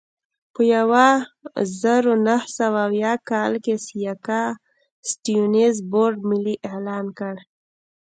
په یوه زرو نهه سوه اویا کال کې سیاکا سټیونز بورډ ملي اعلان کړ.